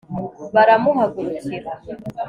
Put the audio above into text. baramuhagurukira